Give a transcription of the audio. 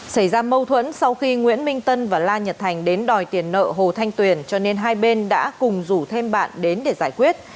xảy ra mâu thuẫn sau khi nguyễn minh tân và la nhật thành đến đòi tiền nợ hồ thanh tuyền cho nên hai bên đã cùng rủ thêm bạn đến để giải quyết